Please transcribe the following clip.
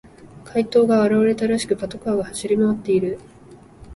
怪盗が現れたらしく、パトカーが走り回っている。